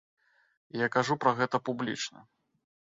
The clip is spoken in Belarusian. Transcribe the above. Я кажу пра гэта публічна.